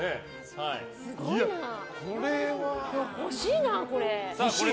欲しいな、これ。